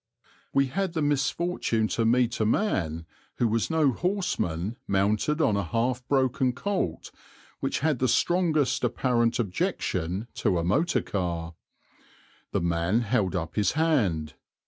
We had the misfortune to meet a man who was no horseman mounted on a half broken colt which had the strongest apparent objection to a motor car. The man held up his hand.